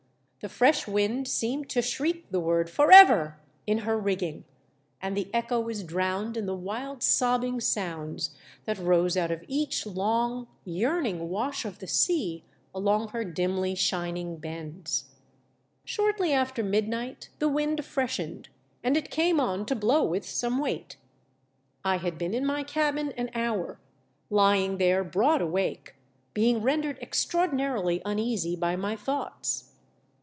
The fresh wind seemed to shriek the word " Forever !" in her rioQrino , and the echo was drowned in the wild sobbing sounds that rose out of each long, yearning wash of the sea along her dimly shining bends. 314 "HE DEATH SHIP. Shortly after midnight the wind freshened, and it came on to blow with some weight. I had been in my cabin an hour, lying there broad awake, being rendered extraordinarily uneasy by my thoughts.